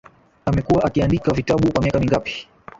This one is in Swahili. Amekuwa akiandika vitabu kwa miaka mingapi